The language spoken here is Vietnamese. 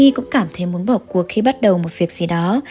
y cũng cảm thấy muốn bỏ cuộc khi bắt đầu một việc gì đó